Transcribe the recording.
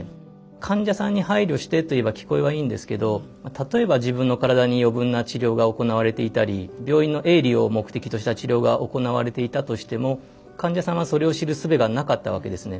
患者さんに配慮してといえば聞こえはいいんですけど例えば自分の体に余分な治療が行われていたり病院の営利を目的とした治療が行われていたとしても患者さんはそれを知るすべがなかったわけですね。